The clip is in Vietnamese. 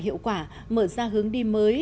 hiệu quả mở ra hướng đi mới